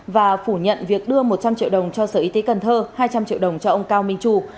và phủ nhận việc đưa một trăm linh triệu đồng cho sở y tế cần thơ hai trăm linh triệu đồng cho ông cao minh tru